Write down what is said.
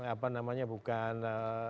apa namanya bukan